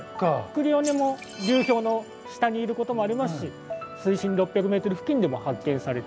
クリオネも流氷の下にいることもありますし水深６００ｍ付近でも発見されたり。